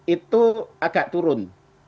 itu agak turun